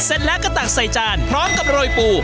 เสร็จแล้วก็ตักใส่จานพร้อมกับโรยปู